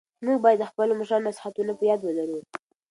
موږ بايد د خپلو مشرانو نصيحتونه په ياد ولرو.